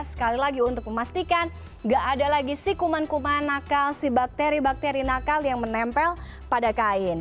sekali lagi untuk memastikan nggak ada lagi si kuman kuman nakal si bakteri bakteri nakal yang menempel pada kain